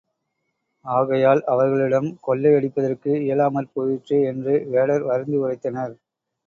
ஆகையால் அவர்களிடம் கொள்ளை அடிப்பதற்கு இயலாமற் போயிற்றே என்று வேடர் வருந்தி உரைத்தனர்.